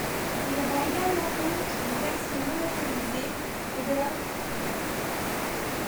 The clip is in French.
Il rend également compte des actions non autorisées et de leur auteur.